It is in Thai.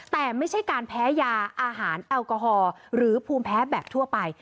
แต่ไม่ใช่การแพ้ยาอาหารแอลกอฮอล์หรือภูมิแพ้แบบทั่วไป